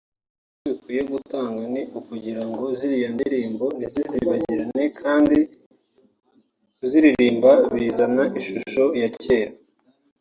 Isomo bikwiye gutanga ni ukugira ngo ziriya ndirimbo ntizizibagirane kandi kuziririmba bizana ishusho ya kera